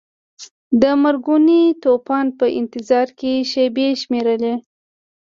د مرګوني طوفان په انتظار کې شیبې شمیرلې.